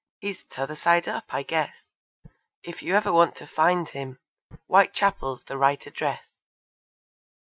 He's t' other side up I guess; If you ever want to find Him, Whitechapel's the right address.